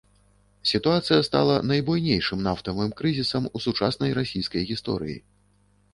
Сітуацыя стала найбуйнейшым нафтавым крызісам у сучаснай расійскай гісторыі.